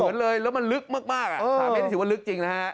เหมือนเลยแล้วมันลึกมากถามให้ที่ถือว่าลึกจริง